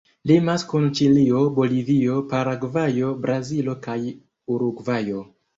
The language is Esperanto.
Limas kun Ĉilio, Bolivio, Paragvajo, Brazilo kaj Urugvajo.